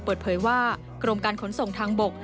เปิดเผยว่ากรมการขนส่งทางบก